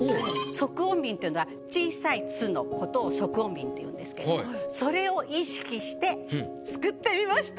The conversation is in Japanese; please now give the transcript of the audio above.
促音便というのは小さい「つ」のことを促音便っていうんですけどそれを意識して作ってみました。